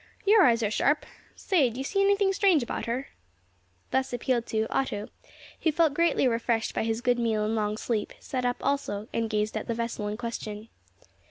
Your eyes are sharp! Say, d'you see anything strange about her?" Thus appealed to, Otto, who felt greatly refreshed by his good meal and long sleep, sat up and also gazed at the vessel in question.